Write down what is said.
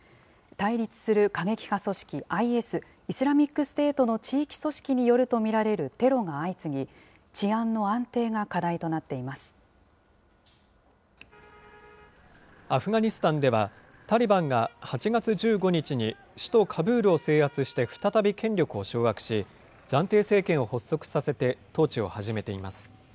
対立する過激派組織ＩＳ・イスラミックステートの地域組織によると見られるテロが相次ぎ、アフガニスタンでは、タリバンが８月１５日に首都カブールを制圧して再び権力を掌握し、暫定政権を発足させて、統治を始めています。